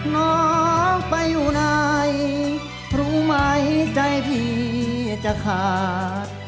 น้องไปอยู่ไหนรู้ไหมใจพี่จะขาด